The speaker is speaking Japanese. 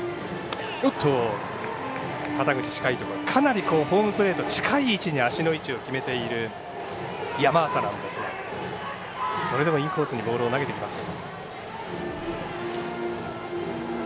かなりホームプレートに近い位置に足の位置を決めている山浅なんですがそれでもインコースにボールを投げてきます。